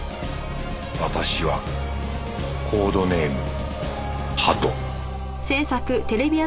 私はコードネームハト